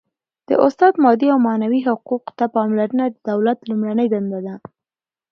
د استاد مادي او معنوي حقوقو ته پاملرنه د دولت لومړنۍ دنده ده.